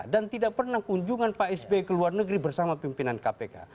dan tidak pernah kunjungan pak sby ke luar negeri bersama pimpinan kpk